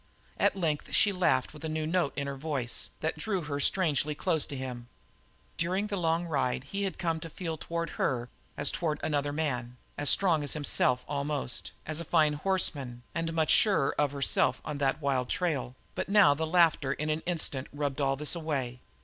At length she laughed with a new note in her voice that drew her strangely close to him. During the long ride he had come to feel toward her as toward another man, as strong as himself, almost, as fine a horseman, and much surer of herself on that wild trail; but now the laughter in an instant rubbed all this away.